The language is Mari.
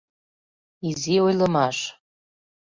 Изи ойлымаш